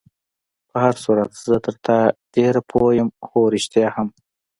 په هر صورت زه تر تا ډېر پوه یم، هو، رښتیا هم.